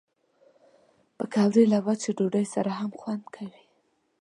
پکورې له وچې ډوډۍ سره هم خوند کوي